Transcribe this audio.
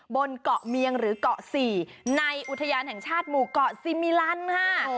บนเกาะเมียงหรือเกาะ๔ในอุทยานแห่งชาติหมู่เกาะซีมิลันค่ะ